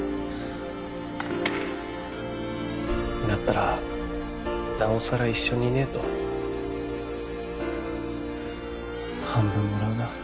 だったらなおさら一緒にいねと半分もらうな。